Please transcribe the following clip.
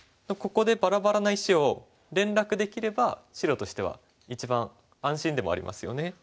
ここでバラバラな石を連絡できれば白としては一番安心でもありますよね。